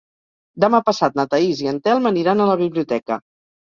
Demà passat na Thaís i en Telm aniran a la biblioteca.